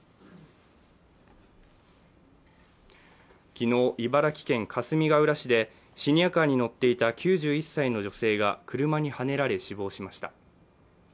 昨日、茨城県かすみがうら市でシニアカーに乗っていた９１歳の女性が車にはねられ死亡しました。